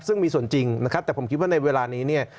ซึ่งมีส่วนจริงแต่ผมคิดว่าในเวลานี้